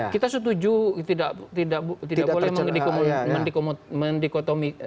kita setuju tidak boleh mendikotomi